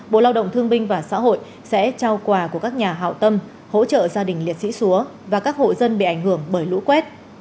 bộ lao động thương binh và xã hội sẽ trao quà của các nhà hảo tâm hỗ trợ gia đình liệt sĩ xúa và các hộ dân bị ảnh hưởng bởi lũ quét